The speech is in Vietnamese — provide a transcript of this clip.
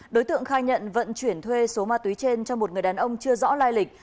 đối tượng khai nhận vận chuyển thuê số ma túy trên cho một người đàn ông chưa rõ lai lịch